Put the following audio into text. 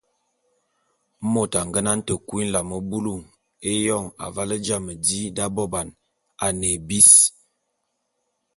Môt a ngenane te kui nlam bulu éyôn aval jame di d’aboban, a ne ébis.